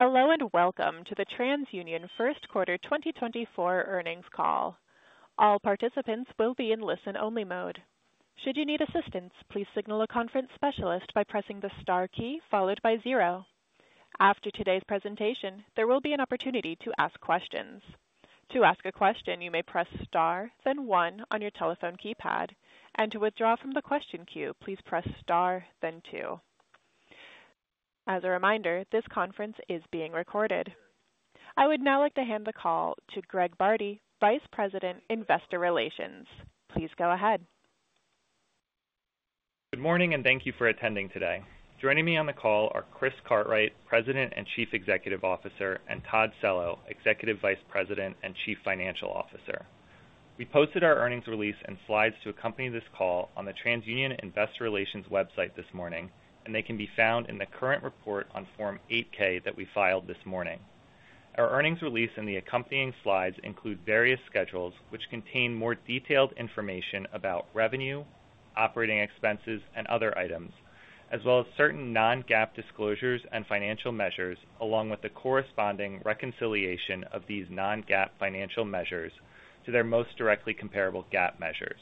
Hello, and welcome to the TransUnion First Quarter 2024 Earnings Call. All participants will be in listen-only mode. Should you need assistance, please signal a conference specialist by pressing the Star key followed by zero. After today's presentation, there will be an opportunity to ask questions. To ask a question, you may press Star, then one on your telephone keypad, and to withdraw from the question queue, please press Star, then two. As a reminder, this conference is being recorded. I would now like to hand the call to Greg Bardi, Vice President, Investor Relations. Please go ahead. Good morning, and thank you for attending today. Joining me on the call are Chris Cartwright, President and Chief Executive Officer, and Todd Cello, Executive Vice President and Chief Financial Officer. We posted our earnings release and slides to accompany this call on the TransUnion Investor Relations website this morning, and they can be found in the current report on Form 8-K that we filed this morning. Our earnings release and the accompanying slides include various schedules, which contain more detailed information about revenue, operating expenses, and other items, as well as certain non-GAAP disclosures and financial measures, along with the corresponding reconciliation of these non-GAAP financial measures to their most directly comparable GAAP measures.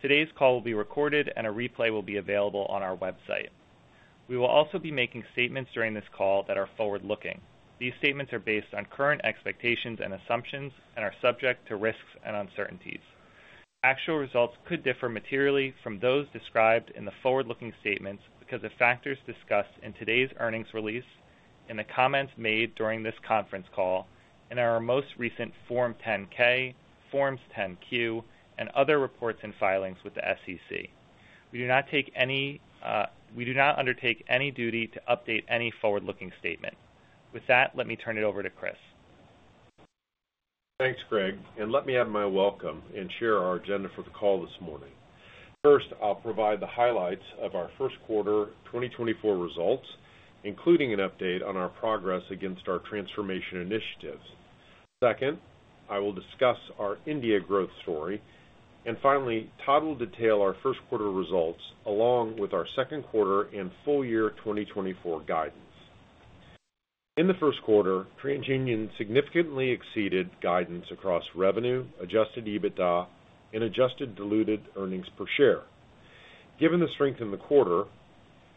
Today's call will be recorded, and a replay will be available on our website. We will also be making statements during this call that are forward-looking. These statements are based on current expectations and assumptions and are subject to risks and uncertainties. Actual results could differ materially from those described in the forward-looking statements because of factors discussed in today's earnings release, in the comments made during this conference call, in our most recent Form 10-K, Forms 10-Q, and other reports and filings with the SEC. We do not undertake any duty to update any forward-looking statement. With that, let me turn it over to Chris. Thanks, Greg, and let me add my welcome and share our agenda for the call this morning. First, I'll provide the highlights of our first quarter 2024 results, including an update on our progress against our transformation initiatives. Second, I will discuss our India growth story. Finally, Todd will detail our first quarter results, along with our second quarter and full year 2024 guidance. In the first quarter, TransUnion significantly exceeded guidance across revenue, Adjusted EBITDA, and Adjusted Diluted Earnings Per Share. Given the strength in the quarter,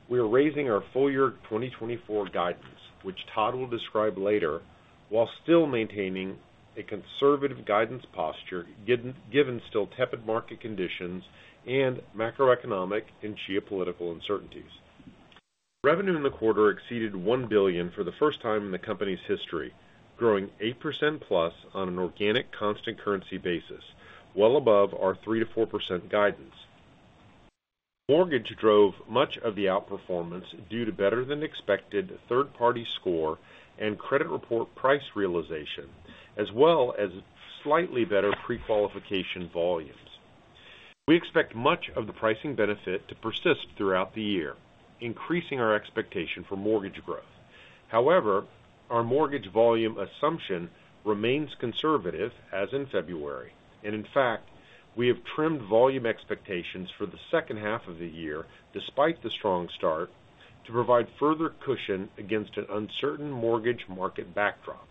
we are raising our full year 2024 guidance, which Todd will describe later, while still maintaining a conservative guidance posture, given still tepid market conditions and macroeconomic and geopolitical uncertainties. Revenue in the quarter exceeded $1 billion for the first time in the company's history, growing 8%+ on an organic constant currency basis, well above our 3%-4% guidance. Mortgage drove much of the outperformance due to better than expected third-party score and credit report price realization, as well as slightly better prequalification volumes. We expect much of the pricing benefit to persist throughout the year, increasing our expectation for mortgage growth. However, our mortgage volume assumption remains conservative, as in February, and in fact, we have trimmed volume expectations for the second half of the year, despite the strong start, to provide further cushion against an uncertain mortgage market backdrop.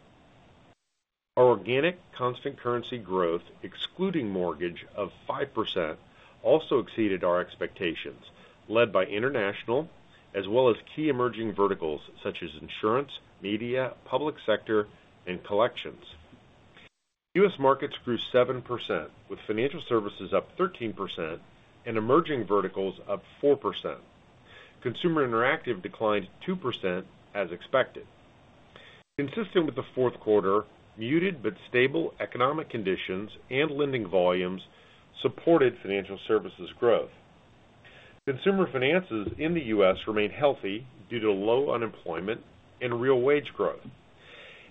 Our organic constant currency growth, excluding mortgage of 5%, also exceeded our expectations, led by international as well as key emerging verticals such as insurance, media, public sector, and collections. U.S. markets grew 7%, with financial services up 13% and emerging verticals up 4%. Consumer interactive declined 2% as expected. Consistent with the fourth quarter, muted but stable economic conditions and lending volumes supported financial services growth. Consumer finances in the U.S. remain healthy due to low unemployment and real wage growth.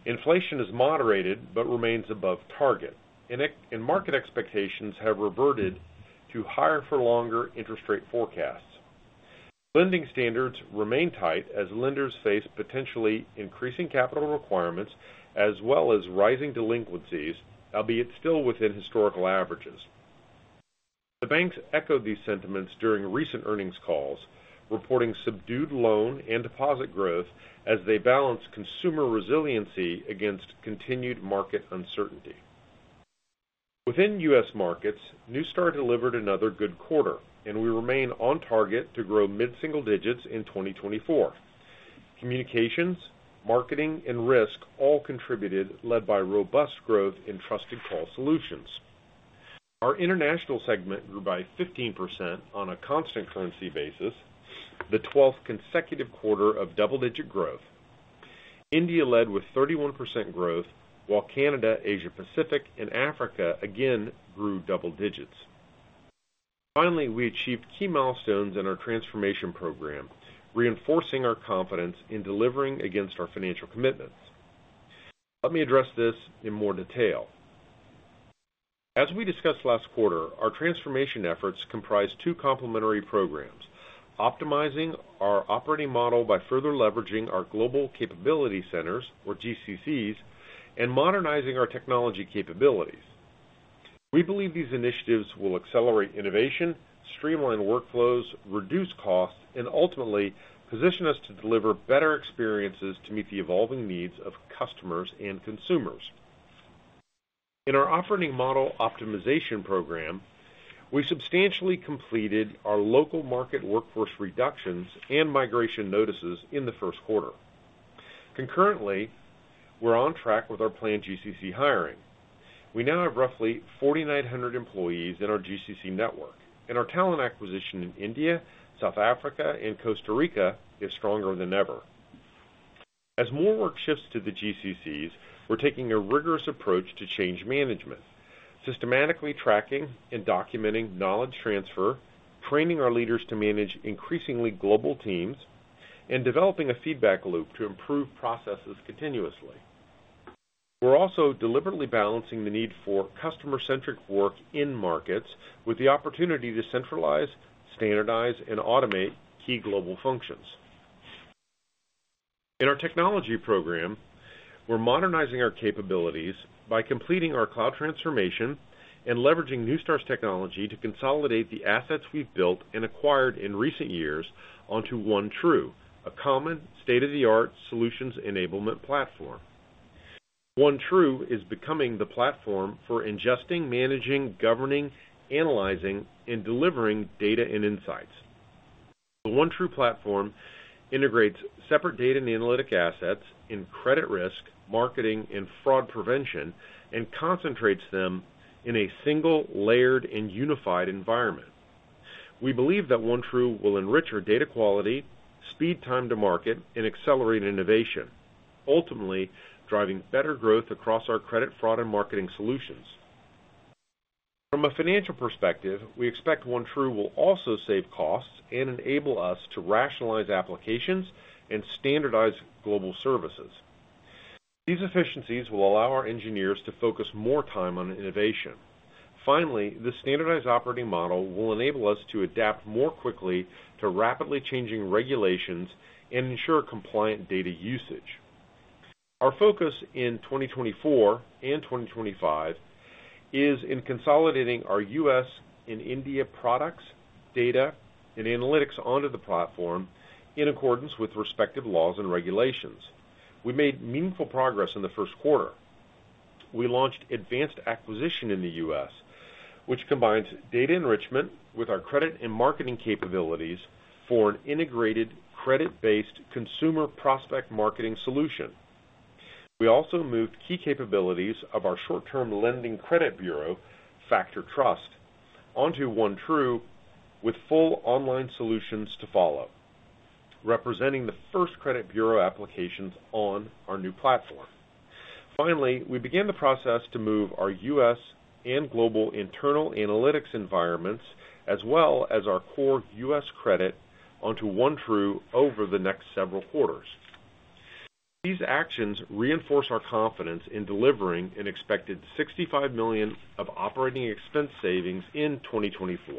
Inflation is moderated but remains above target, and ex-ante and market expectations have reverted to higher-for-longer interest rate forecasts. Lending standards remain tight as lenders face potentially increasing capital requirements, as well as rising delinquencies, albeit still within historical averages. The banks echoed these sentiments during recent earnings calls, reporting subdued loan and deposit growth as they balance consumer resiliency against continued market uncertainty. Within U.S. markets, Neustar delivered another good quarter, and we remain on target to grow mid-single digits in 2024. Communications, marketing, and risk all contributed, led by robust growth in Trusted Call Solutions. Our international segment grew by 15% on a constant currency basis, the 12th consecutive quarter of double-digit growth. India led with 31% growth, while Canada, Asia Pacific, and Africa again grew double digits. Finally, we achieved key milestones in our transformation program, reinforcing our confidence in delivering against our financial commitments. Let me address this in more detail. As we discussed last quarter, our transformation efforts comprise two complementary programs: optimizing our operating model by further leveraging our Global Capability Centers, or GCCs, and modernizing our technology capabilities.... We believe these initiatives will accelerate innovation, streamline workflows, reduce costs, and ultimately position us to deliver better experiences to meet the evolving needs of customers and consumers. In our operating model optimization program, we substantially completed our local market workforce reductions and migration notices in the first quarter. Concurrently, we're on track with our planned GCC hiring. We now have roughly 4,900 employees in our GCC network, and our talent acquisition in India, South Africa, and Costa Rica is stronger than ever. As more work shifts to the GCCs, we're taking a rigorous approach to change management, systematically tracking and documenting knowledge transfer, training our leaders to manage increasingly global teams, and developing a feedback loop to improve processes continuously. We're also deliberately balancing the need for customer-centric work in markets with the opportunity to centralize, standardize, and automate key global functions. In our technology program, we're modernizing our capabilities by completing our cloud transformation and leveraging Neustar's technology to consolidate the assets we've built and acquired in recent years onto OneTru, a common state-of-the-art solutions enablement platform. OneTru is becoming the platform for ingesting, managing, governing, analyzing, and delivering data and insights. The OneTru platform integrates separate data and analytic assets in credit risk, marketing, and fraud prevention, and concentrates them in a single, layered, and unified environment. We believe that OneTru will enrich our data quality, speed time to market, and accelerate innovation, ultimately driving better growth across our credit, fraud, and marketing solutions. From a financial perspective, we expect OneTru will also save costs and enable us to rationalize applications and standardize global services. These efficiencies will allow our engineers to focus more time on innovation. Finally, the standardized operating model will enable us to adapt more quickly to rapidly changing regulations and ensure compliant data usage. Our focus in 2024 and 2025 is in consolidating our U.S. and India products, data, and analytics onto the platform in accordance with respective laws and regulations. We made meaningful progress in the first quarter. We launched Advanced Acquisition in the U.S., which combines data enrichment with our credit and marketing capabilities for an integrated, credit-based consumer prospect marketing solution. We also moved key capabilities of our short-term lending credit bureau, FactorTrust, onto OneTru, with full online solutions to follow, representing the first credit bureau applications on our new platform. Finally, we began the process to move our U.S. and global internal analytics environments, as well as our core U.S. credit, onto OneTru over the next several quarters. These actions reinforce our confidence in delivering an expected $65 million of operating expense savings in 2024,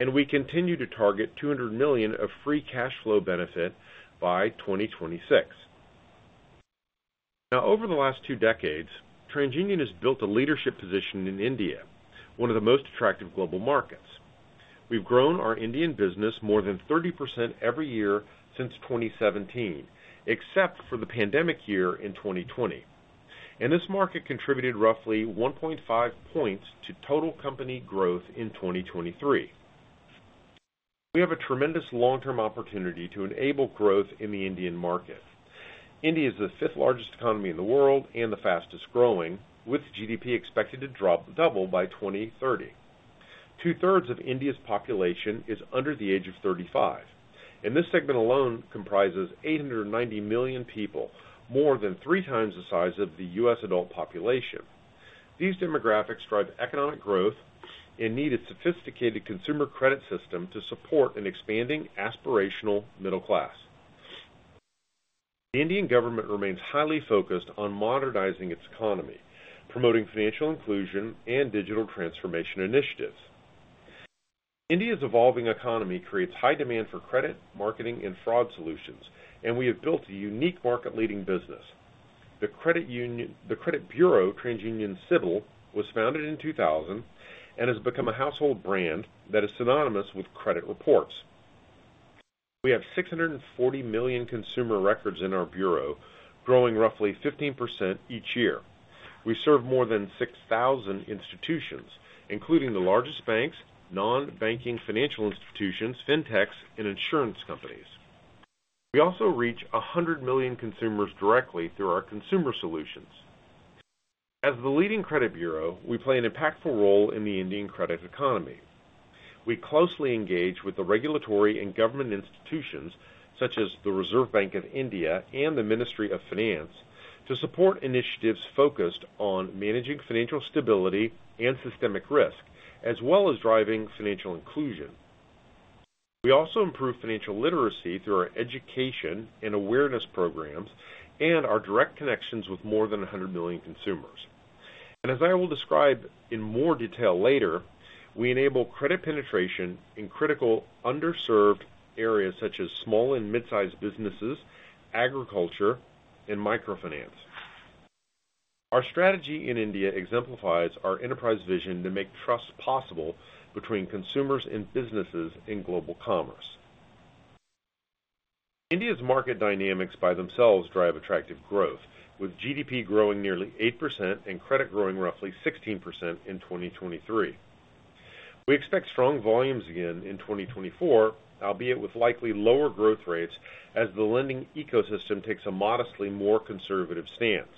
and we continue to target $200 million of free cash flow benefit by 2026. Now, over the last two decades, TransUnion has built a leadership position in India, one of the most attractive global markets. We've grown our Indian business more than 30% every year since 2017, except for the pandemic year in 2020, and this market contributed roughly 1.5 points to total company growth in 2023. We have a tremendous long-term opportunity to enable growth in the Indian market. India is the fifth-largest economy in the world and the fastest-growing, with GDP expected to drop double by 2030. Two-thirds of India's population is under the age of 35, and this segment alone comprises 890 million people, more than three times the size of the U.S. adult population. These demographics drive economic growth and need a sophisticated consumer credit system to support an expanding, aspirational middle class. The Indian government remains highly focused on modernizing its economy, promoting financial inclusion and digital transformation initiatives. India's evolving economy creates high demand for credit, marketing, and fraud solutions, and we have built a unique market-leading business. The credit bureau, TransUnion CIBIL, was founded in 2000 and has become a household brand that is synonymous with credit reports. We have 640 million consumer records in our bureau, growing roughly 15% each year. We serve more than 6,000 institutions, including the largest banks, non-banking financial institutions, fintechs, and insurance companies. We also reach 100 million consumers directly through our consumer solutions. As the leading credit bureau, we play an impactful role in the Indian credit economy. We closely engage with the regulatory and government institutions, such as the Reserve Bank of India and the Ministry of Finance, to support initiatives focused on managing financial stability and systemic risk, as well as driving financial inclusion. We also improve financial literacy through our education and awareness programs and our direct connections with more than 100 million consumers. As I will describe in more detail later, we enable credit penetration in critical underserved areas such as small and mid-sized businesses, agriculture, and microfinance... Our strategy in India exemplifies our enterprise vision to make trust possible between consumers and businesses in global commerce. India's market dynamics by themselves drive attractive growth, with GDP growing nearly 8% and credit growing roughly 16% in 2023. We expect strong volumes again in 2024, albeit with likely lower growth rates as the lending ecosystem takes a modestly more conservative stance.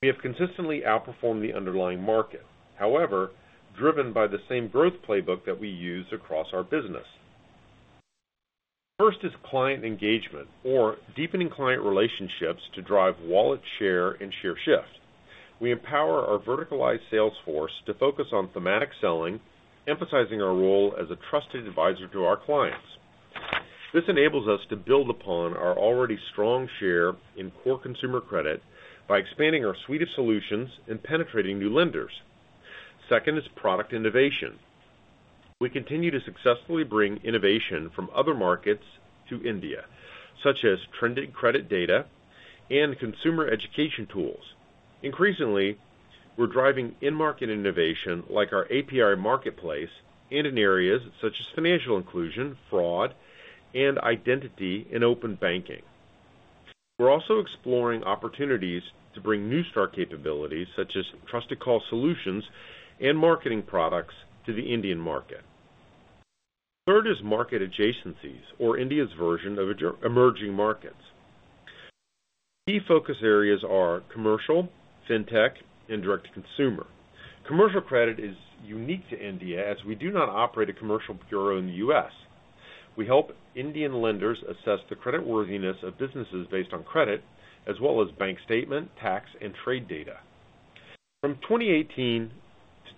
We have consistently outperformed the underlying market, however, driven by the same growth playbook that we use across our business. First is client engagement or deepening client relationships to drive wallet share and share shift. We empower our verticalized sales force to focus on thematic selling, emphasizing our role as a trusted advisor to our clients. This enables us to build upon our already strong share in core consumer credit by expanding our suite of solutions and penetrating new lenders. Second is product innovation. We continue to successfully bring innovation from other markets to India, such as trending credit data and consumer education tools. Increasingly, we're driving in-market innovation like our API Marketplace and in areas such as financial inclusion, fraud, and identity, and open banking. We're also exploring opportunities to bring Neustar capabilities, such as Trusted Call Solutions and marketing products to the Indian market. Third is market adjacencies or India's version of emerging markets. Key focus areas are commercial, fintech, and direct-to-consumer. Commercial credit is unique to India, as we do not operate a commercial bureau in the U.S. We help Indian lenders assess the creditworthiness of businesses based on credit, as well as bank statement, tax, and trade data. From 2018 to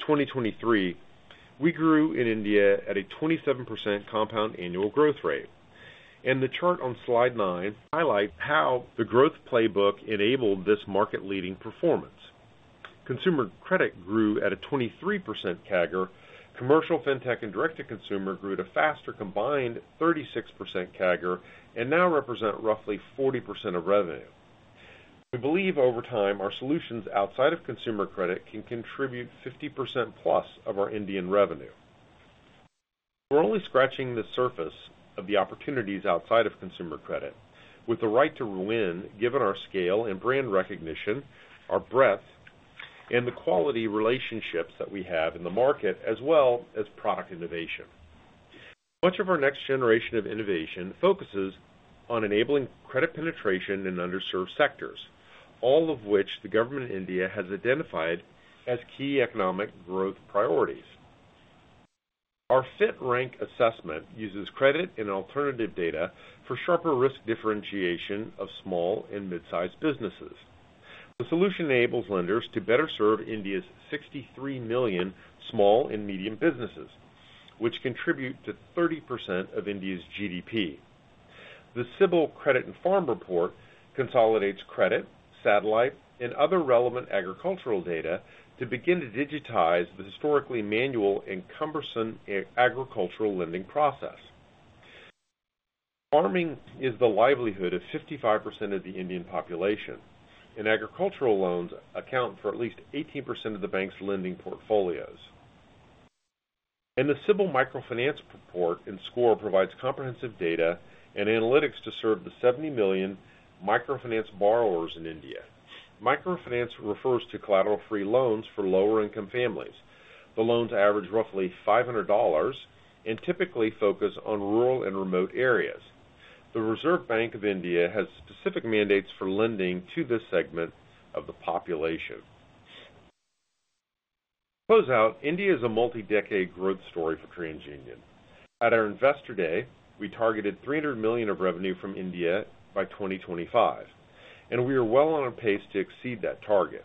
2023, we grew in India at a 27% compound annual growth rate, and the chart on Slide nine highlights how the growth playbook enabled this market-leading performance. Consumer credit grew at a 23% CAGR. Commercial, fintech and direct-to-consumer grew at a faster combined 36% CAGR and now represent roughly 40% of revenue. We believe, over time, our solutions outside of consumer credit can contribute 50% plus of our Indian revenue. We're only scratching the surface of the opportunities outside of consumer credit, with the right to win, given our scale and brand recognition, our breadth and the quality relationships that we have in the market, as well as product innovation. Much of our next generation of innovation focuses on enabling credit penetration in underserved sectors, all of which the government of India has identified as key economic growth priorities. Our FIT Rank assessment uses credit and alternative data for sharper risk differentiation of small and mid-sized businesses. The solution enables lenders to better serve India's 63 million small and medium businesses, which contribute to 30% of India's GDP. The CIBIL Credit and Farm Report consolidates credit, satellite, and other relevant agricultural data to begin to digitize the historically manual and cumbersome agricultural lending process. Farming is the livelihood of 55% of the Indian population, and agricultural loans account for at least 18% of the bank's lending portfolios. The CIBIL Microfinance Report and Score provides comprehensive data and analytics to serve the 70 million microfinance borrowers in India. Microfinance refers to collateral-free loans for lower-income families. The loans average roughly $500 and typically focus on rural and remote areas. The Reserve Bank of India has specific mandates for lending to this segment of the population. Closeout, India is a multi-decade growth story for TransUnion. At our Investor Day, we targeted $300 million of revenue from India by 2025, and we are well on a pace to exceed that target.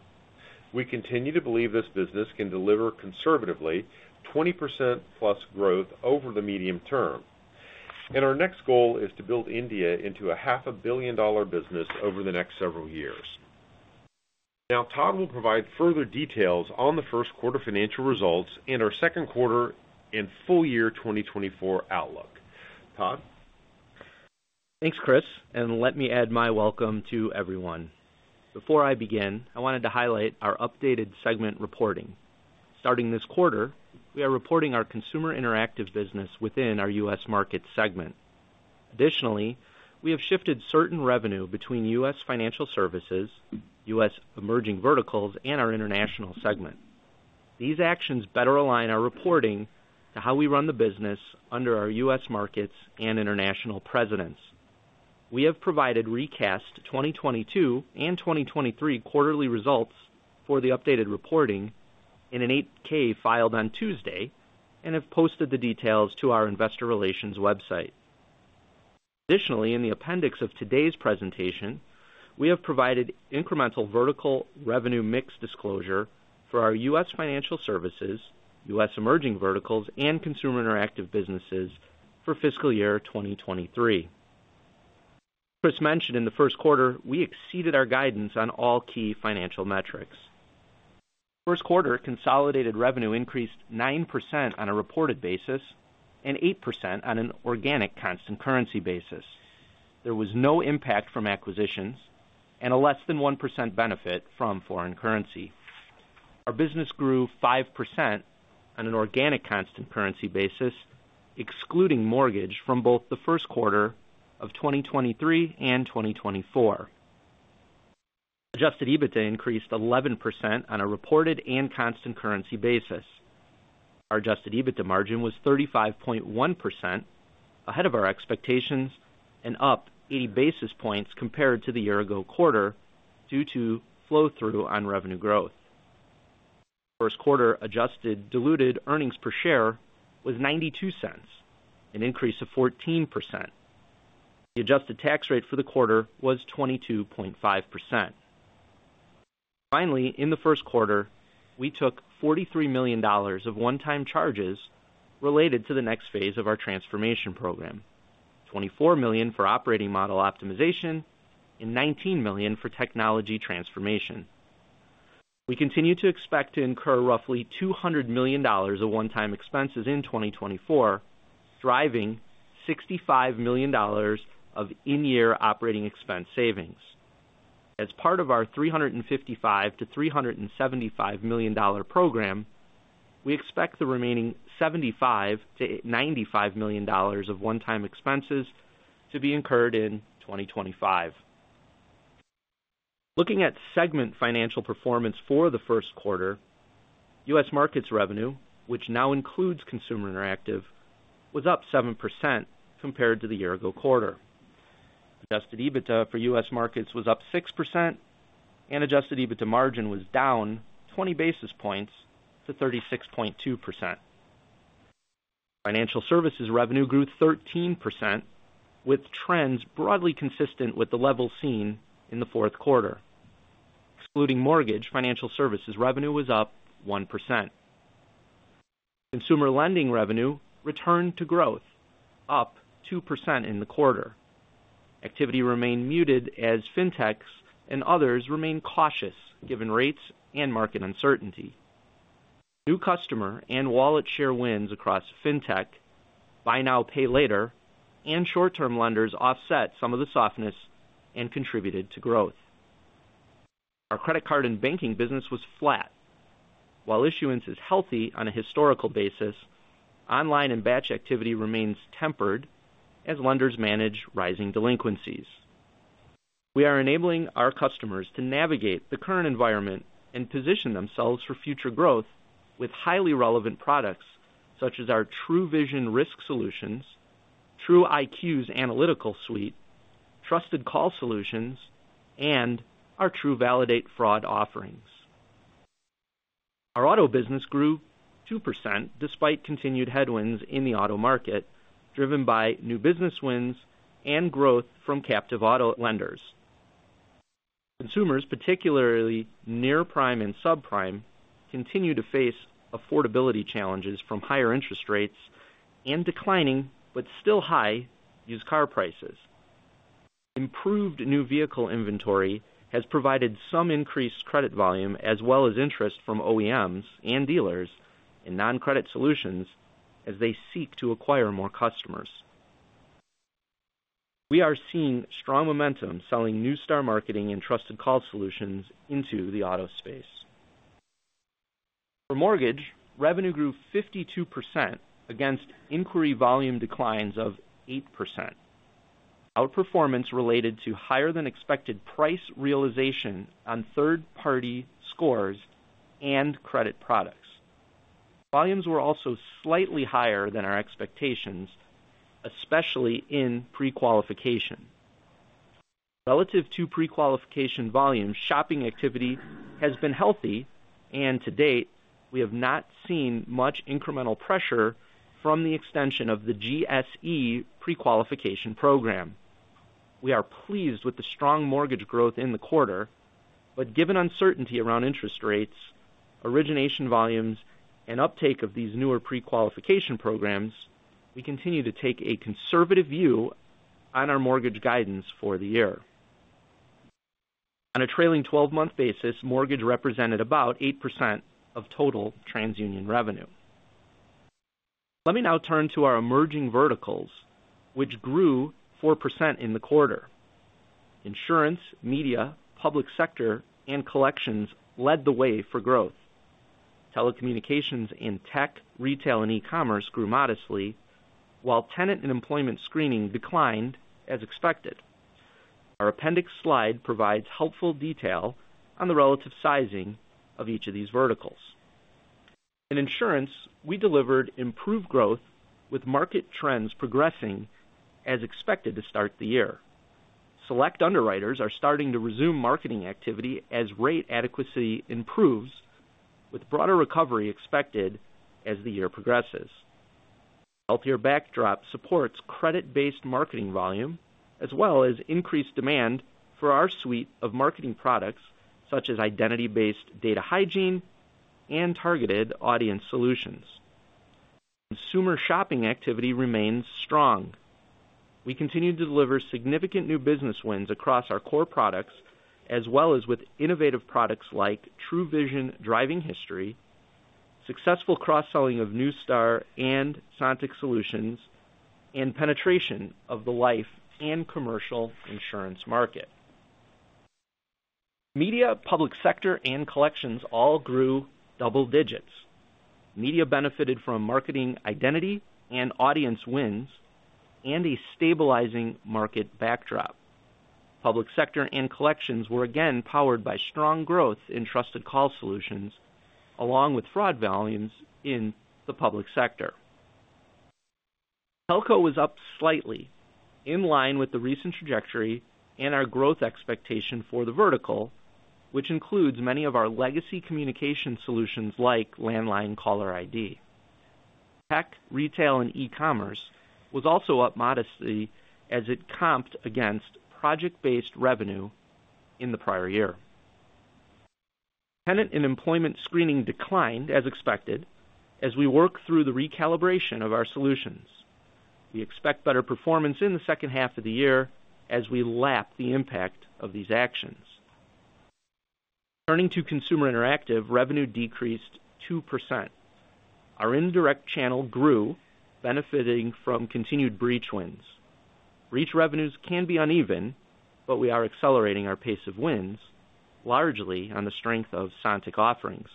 We continue to believe this business can deliver conservatively 20%+ growth over the medium term, and our next goal is to build India into a $500 million business over the next several years. Now Todd will provide further details on the first quarter financial results and our second quarter and full year 2024 outlook. Todd? Thanks, Chris, and let me add my welcome to everyone. Before I begin, I wanted to highlight our updated segment reporting. Starting this quarter, we are reporting our consumer interactive business within our U.S. market segment. Additionally, we have shifted certain revenue between U.S. financial services, U.S. emerging verticals, and our international segment. These actions better align our reporting to how we run the business under our U.S. markets and international presidents. We have provided recast 2022 and 2023 quarterly results for the updated reporting in an 8-K filed on Tuesday, and have posted the details to our investor relations website. Additionally, in the appendix of today's presentation, we have provided incremental vertical revenue mix disclosure for our U.S. financial services, U.S. emerging verticals, and consumer interactive businesses for fiscal year 2023. Chris mentioned in the first quarter, we exceeded our guidance on all key financial metrics. First quarter consolidated revenue increased 9% on a reported basis and 8% on an organic constant currency basis. There was no impact from acquisitions and a less than 1% benefit from foreign currency. Our business grew 5% on an organic constant currency basis, excluding mortgage from both the first quarter of 2023 and 2024. Adjusted EBITDA increased 11% on a reported and constant currency basis. Our adjusted EBITDA margin was 35.1%, ahead of our expectations, and up 80 basis points compared to the year ago quarter due to flow through on revenue growth. First quarter adjusted diluted earnings per share was $0.92, an increase of 14%. The adjusted tax rate for the quarter was 22.5%. Finally, in the first quarter, we took $43 million of one-time charges related to the next phase of our transformation program. $24 million for operating model optimization and $19 million for technology transformation. We continue to expect to incur roughly $200 million of one-time expenses in 2024, driving $65 million of in-year operating expense savings. As part of our $355 million-$375 million program, we expect the remaining $75 million-$95 million of one-time expenses to be incurred in 2025. Looking at segment financial performance for the first quarter, U.S. markets revenue, which now includes consumer interactive, was up 7% compared to the year-ago quarter. Adjusted EBITDA for U.S. markets was up 6% and adjusted EBITDA margin was down 20 basis points to 36.2%. Financial services revenue grew 13%, with trends broadly consistent with the level seen in the fourth quarter. Excluding mortgage, financial services revenue was up 1%. Consumer lending revenue returned to growth, up 2% in the quarter. Activity remained muted as Fintechs and others remain cautious given rates and market uncertainty. New customer and wallet share wins across Fintech. Buy now, pay later, and short-term lenders offset some of the softness and contributed to growth. Our credit card and banking business was flat. While issuance is healthy on a historical basis, online and batch activity remains tempered as lenders manage rising delinquencies. We are enabling our customers to navigate the current environment and position themselves for future growth with highly relevant products, such as our TrueVision Risk Solutions, TrueIQ's Analytical Suite, Trusted Call Solutions, and our TrueValidate Fraud offerings. Our auto business grew 2%, despite continued headwinds in the auto market, driven by new business wins and growth from captive auto lenders. Consumers, particularly near prime and subprime, continue to face affordability challenges from higher interest rates and declining, but still high used car prices. Improved new vehicle inventory has provided some increased credit volume, as well as interest from OEMs and dealers in non-credit solutions as they seek to acquire more customers. We are seeing strong momentum selling Neustar marketing and Trusted Call Solutions into the auto space. For mortgage, revenue grew 52% against inquiry volume declines of 8%. Outperformance related to higher than expected price realization on third-party scores and credit products. Volumes were also slightly higher than our expectations, especially in pre-qualification. Relative to pre-qualification volume, shopping activity has been healthy, and to date, we have not seen much incremental pressure from the extension of the GSE pre-qualification program. We are pleased with the strong mortgage growth in the quarter, but given uncertainty around interest rates, origination volumes, and uptake of these newer pre-qualification programs, we continue to take a conservative view on our mortgage guidance for the year. On a trailing 12-month basis, mortgage represented about 8% of total TransUnion revenue. Let me now turn to our emerging verticals, which grew 4% in the quarter. Insurance, media, public sector, and collections led the way for growth. Telecommunications in tech, retail, and e-commerce grew modestly, while tenant and employment screening declined as expected. Our appendix slide provides helpful detail on the relative sizing of each of these verticals. In insurance, we delivered improved growth, with market trends progressing as expected to start the year. Select underwriters are starting to resume marketing activity as rate adequacy improves, with broader recovery expected as the year progresses. Healthier backdrop supports credit-based marketing volume, as well as increased demand for our suite of marketing products, such as identity-based data hygiene and targeted audience solutions... Consumer shopping activity remains strong. We continue to deliver significant new business wins across our core products, as well as with innovative products like TrueVision Driving History, successful cross-selling of Neustar and Sontiq solutions, and penetration of the life and commercial insurance market. Media, public sector, and collections all grew double digits. Media benefited from marketing, identity, and audience wins, and a stabilizing market backdrop. Public sector and collections were again powered by strong growth in Trusted Call Solutions, along with fraud volumes in the public sector. Telco was up slightly, in line with the recent trajectory and our growth expectation for the vertical, which includes many of our legacy communication solutions like landline caller ID. Tech, retail, and e-commerce was also up modestly as it comped against project-based revenue in the prior year. Tenant and employment screening declined as expected as we work through the recalibration of our solutions. We expect better performance in the second half of the year as we lap the impact of these actions. Turning to consumer interactive, revenue decreased 2%. Our indirect channel grew, benefiting from continued breach wins. Breach revenues can be uneven, but we are accelerating our pace of wins, largely on the strength of Sontiq offerings.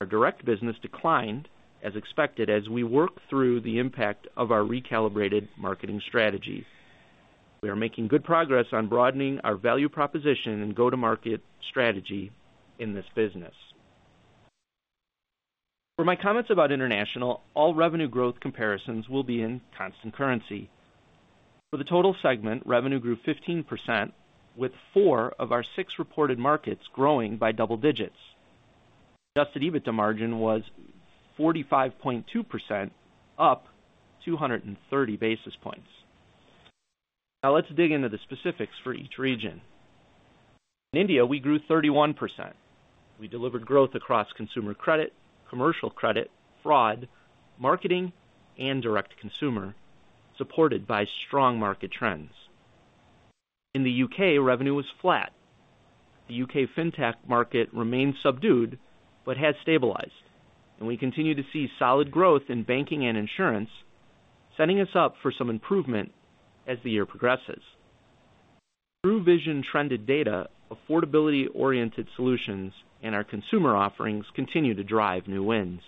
Our direct business declined as expected as we work through the impact of our recalibrated marketing strategy. We are making good progress on broadening our value proposition and go-to-market strategy in this business. For my comments about international, all revenue growth comparisons will be in constant currency. For the total segment, revenue grew 15%, with four of our six reported markets growing by double digits. Adjusted EBITDA margin was 45.2%, up 230 basis points. Now let's dig into the specifics for each region. In India, we grew 31%. We delivered growth across consumer credit, commercial credit, fraud, marketing, and direct consumer, supported by strong market trends. In the U.K., revenue was flat. The U.K. Fintech market remains subdued but has stabilized, and we continue to see solid growth in banking and insurance, setting us up for some improvement as the year progresses. TrueVision trended data, affordability-oriented solutions, and our consumer offerings continue to drive new wins.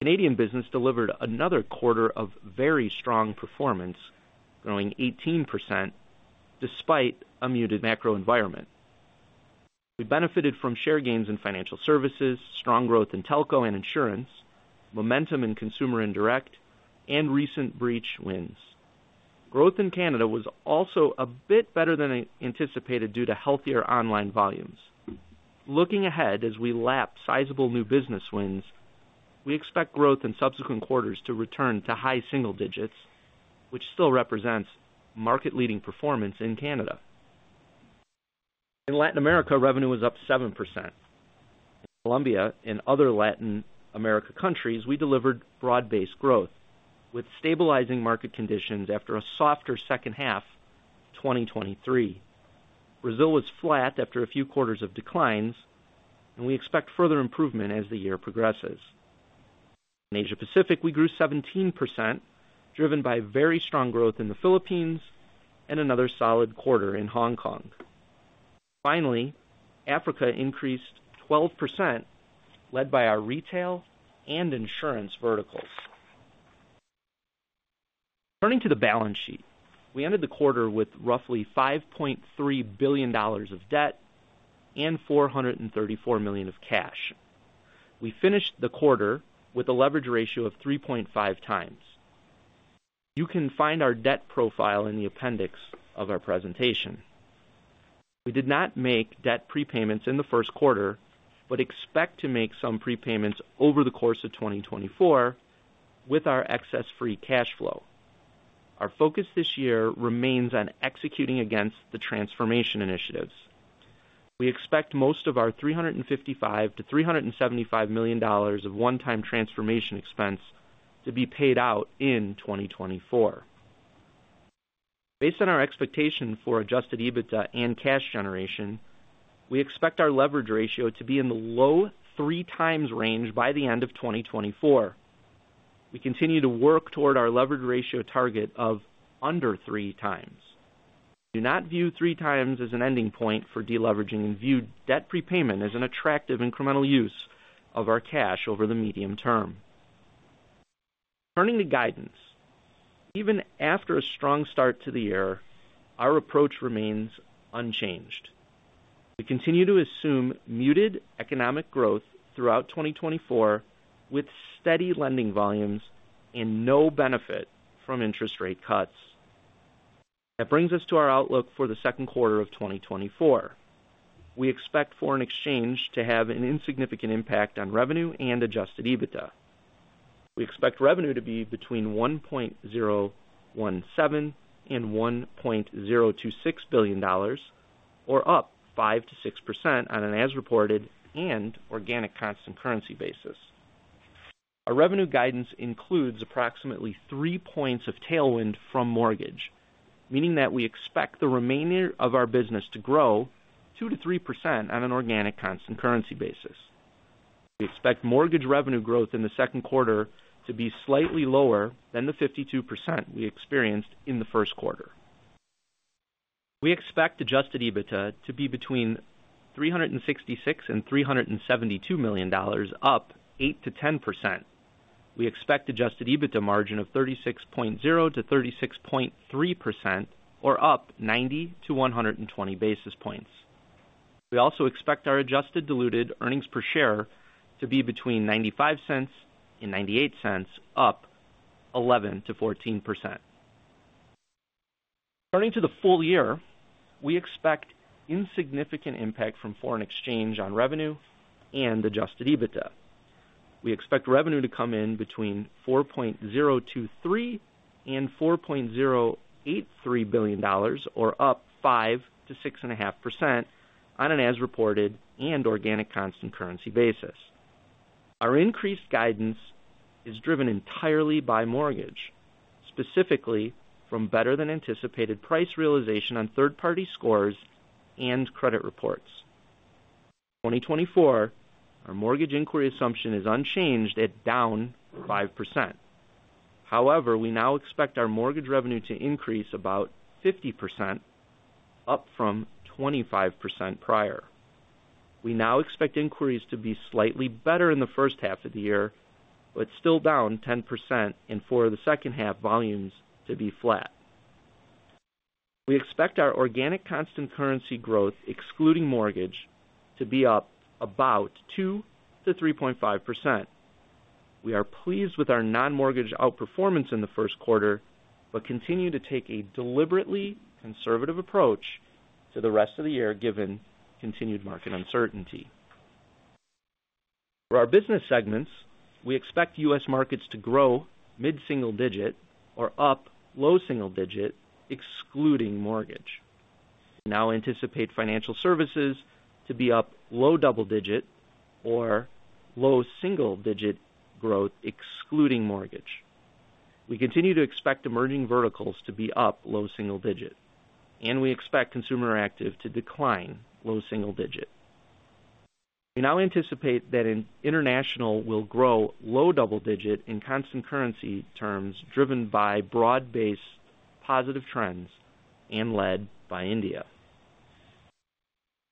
Canadian business delivered another quarter of very strong performance, growing 18% despite a muted macro environment. We benefited from share gains in financial services, strong growth in telco and insurance, momentum in consumer indirect, and recent breach wins. Growth in Canada was also a bit better than anticipated due to healthier online volumes. Looking ahead, as we lap sizable new business wins, we expect growth in subsequent quarters to return to high single digits, which still represents market-leading performance in Canada. In Latin America, revenue was up 7%. Colombia and other Latin America countries, we delivered broad-based growth, with stabilizing market conditions after a softer second half of 2023. Brazil was flat after a few quarters of declines, and we expect further improvement as the year progresses. In Asia Pacific, we grew 17%, driven by very strong growth in the Philippines and another solid quarter in Hong Kong. Finally, Africa increased 12%, led by our retail and insurance verticals. Turning to the balance sheet, we ended the quarter with roughly $5.3 billion of debt and $434 million of cash. We finished the quarter with a leverage ratio of 3.5x. You can find our debt profile in the appendix of our presentation. We did not make debt prepayments in the first quarter, but expect to make some prepayments over the course of 2024 with our excess free cash flow. Our focus this year remains on executing against the transformation initiatives. We expect most of our $355 million-$375 million of one-time transformation expense to be paid out in 2024. Based on our expectation for adjusted EBITDA and cash generation, we expect our leverage ratio to be in the low 3x range by the end of 2024. We continue to work toward our leverage ratio target of under 3x. Do not view 3x as an ending point for deleveraging, and view debt prepayment as an attractive incremental use of our cash over the medium term. Turning to guidance. Even after a strong start to the year, our approach remains unchanged. We continue to assume muted economic growth throughout 2024, with steady lending volumes and no benefit from interest rate cuts. That brings us to our outlook for the second quarter of 2024. We expect foreign exchange to have an insignificant impact on revenue and adjusted EBITDA. We expect revenue to be between $1.017 billion and $1.026 billion, or up 5%-6% on an as-reported and organic constant currency basis. Our revenue guidance includes approximately 3 points of tailwind from mortgage, meaning that we expect the remaining of our business to grow 2%-3% on an organic constant currency basis. We expect mortgage revenue growth in the second quarter to be slightly lower than the 52% we experienced in the first quarter. We expect adjusted EBITDA to be between $366 million and $372 million, up 8%-10%. We expect adjusted EBITDA margin of 36.0%-36.3%, or up 90-120 basis points. We also expect our Adjusted Diluted Earnings Per Share to be between $0.95 and $0.98, up 11%-14%. Turning to the full year, we expect insignificant impact from foreign exchange on revenue and Adjusted EBITDA. We expect revenue to come in between $4.023 billion and $4.083 billion, or up 5%-6.5% on an as-reported and organic constant currency basis. Our increased guidance is driven entirely by mortgage, specifically from better than anticipated price realization on third-party scores and credit reports. 2024, our mortgage inquiry assumption is unchanged at down 5%. However, we now expect our mortgage revenue to increase about 50%, up from 25% prior. We now expect inquiries to be slightly better in the first half of the year, but still down 10% and for the second half volumes to be flat. We expect our organic constant currency growth, excluding mortgage, to be up about 2%-3.5%. We are pleased with our non-mortgage outperformance in the first quarter, but continue to take a deliberately conservative approach to the rest of the year, given continued market uncertainty. For our business segments, we expect U.S. markets to grow mid-single digit or up low single digit, excluding mortgage. We now anticipate financial services to be up low double digit or low single digit growth, excluding mortgage. We continue to expect emerging verticals to be up low single digit, and we expect consumer active to decline low single digit. We now anticipate that international will grow low double-digit in constant currency terms, driven by broad-based positive trends and led by India.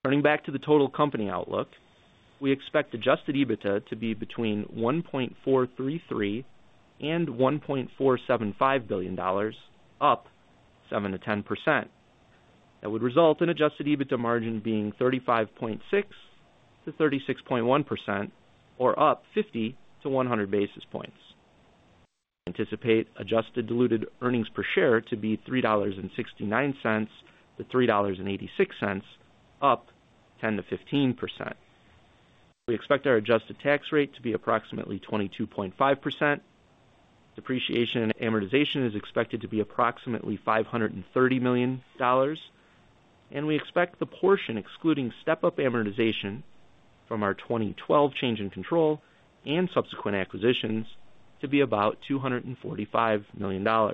Turning back to the total company outlook, we expect Adjusted EBITDA to be between $1.433 billion and $1.475 billion, up 7%-10%. That would result in adjusted EBITDA margin being 35.6%-36.1%, or up 50-100 basis points. Anticipate adjusted diluted earnings per share to be $3.69-$3.86, up 10%-15%. We expect our adjusted tax rate to be approximately 22.5%. Depreciation and amortization is expected to be approximately $530 million, and we expect the portion, excluding step-up amortization from our 2012 change in control and subsequent acquisitions, to be about $245 million.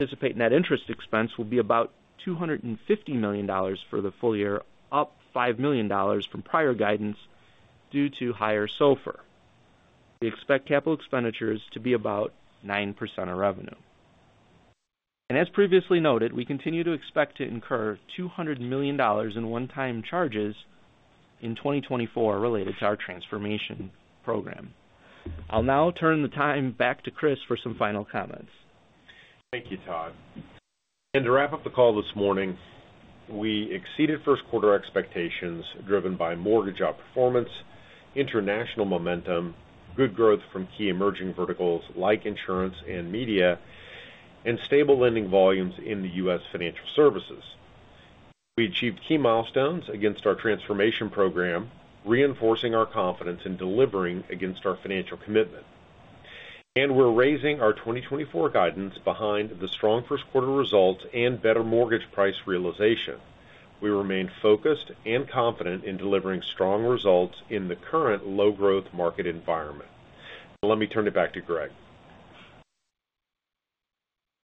Anticipate net interest expense will be about $250 million for the full year, up $5 million from prior guidance due to higher SOFR. We expect capital expenditures to be about 9% of revenue. And as previously noted, we continue to expect to incur $200 million in one-time charges in 2024 related to our transformation program. I'll now turn the time back to Chris for some final comments. Thank you, Todd. To wrap up the call this morning, we exceeded first quarter expectations, driven by mortgage outperformance, international momentum, good growth from key emerging verticals like insurance and media, and stable lending volumes in the U.S. financial services. We achieved key milestones against our transformation program, reinforcing our confidence in delivering against our financial commitment. We're raising our 2024 guidance behind the strong first quarter results and better mortgage price realization. We remain focused and confident in delivering strong results in the current low-growth market environment. Let me turn it back to Greg.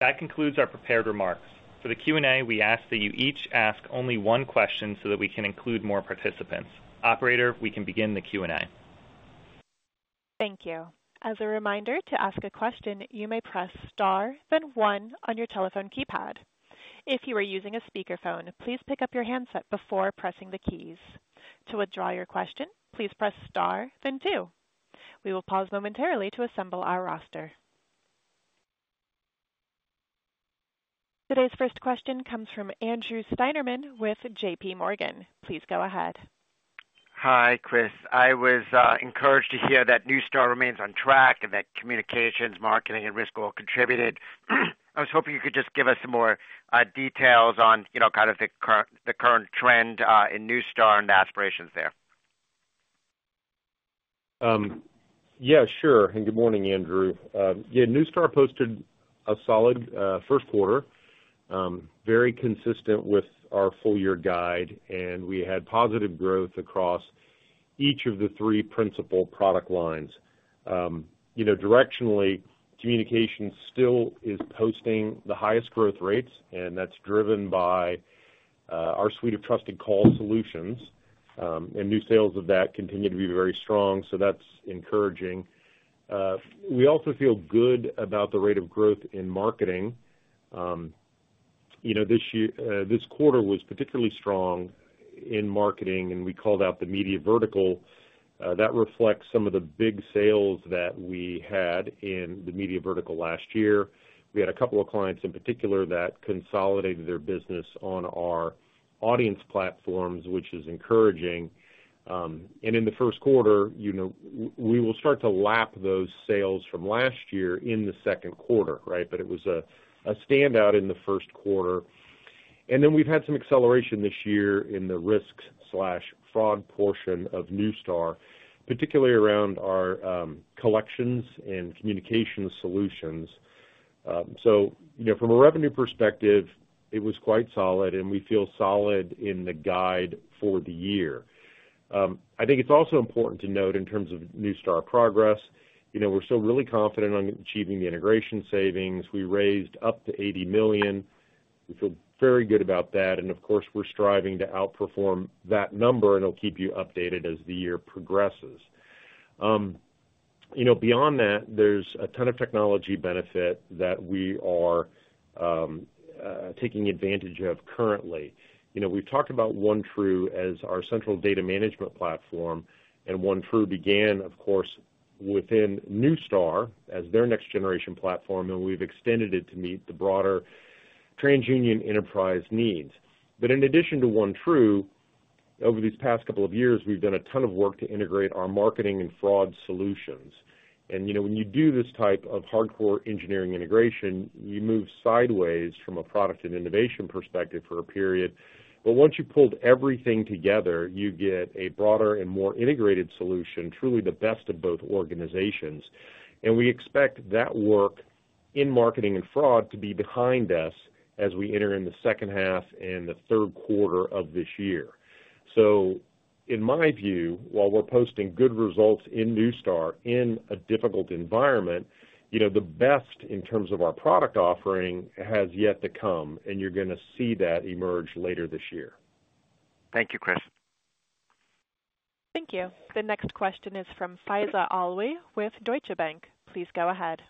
That concludes our prepared remarks. For the Q&A, we ask that you each ask only one question so that we can include more participants. Operator, we can begin the Q&A. Thank you. As a reminder, to ask a question, you may press Star, then one on your telephone keypad. If you are using a speakerphone, please pick up your handset before pressing the keys. To withdraw your question, please press Star, then two. We will pause momentarily to assemble our roster. Today's first question comes from Andrew Steinerman with JPMorgan. Please go ahead. Hi, Chris. I was encouraged to hear that Neustar remains on track and that communications, marketing, and risk all contributed. I was hoping you could just give us some more details on, you know, kind of the current trend in Neustar and aspirations there.... Yeah, sure, and good morning, Andrew. Yeah, Neustar posted a solid first quarter, very consistent with our full-year guide, and we had positive growth across each of the three principal product lines. You know, directionally, communication still is posting the highest growth rates, and that's driven by our suite of Trusted Call Solutions, and new sales of that continue to be very strong, so that's encouraging. We also feel good about the rate of growth in marketing. You know, this quarter was particularly strong in marketing, and we called out the media vertical. That reflects some of the big sales that we had in the media vertical last year. We had a couple of clients in particular that consolidated their business on our audience platforms, which is encouraging. And in the first quarter, you know, we will start to lap those sales from last year in the second quarter, right? But it was a standout in the first quarter. And then we've had some acceleration this year in the risk/fraud portion of Neustar, particularly around our collections and communication solutions. So, you know, from a revenue perspective, it was quite solid, and we feel solid in the guide for the year. I think it's also important to note in terms of Neustar progress, you know, we're still really confident on achieving the integration savings. We raised up to $80 million. We feel very good about that, and of course, we're striving to outperform that number, and I'll keep you updated as the year progresses. You know, beyond that, there's a ton of technology benefit that we are taking advantage of currently. You know, we've talked about OneTru as our central data management platform, and OneTru began, of course, within Neustar as their next generation platform, and we've extended it to meet the broader TransUnion enterprise needs. But in addition to OneTru, over these past couple of years, we've done a ton of work to integrate our marketing and fraud solutions. And, you know, when you do this type of hardcore engineering integration, you move sideways from a product and innovation perspective for a period. But once you pulled everything together, you get a broader and more integrated solution, truly the best of both organizations. And we expect that work in marketing and fraud to be behind us as we enter in the second half and the third quarter of this year. In my view, while we're posting good results in Neustar in a difficult environment, you know, the best in terms of our product offering has yet to come, and you're gonna see that emerge later this year. Thank you, Chris. Thank you. The next question is from Faiza Alwy with Deutsche Bank. Please go ahead.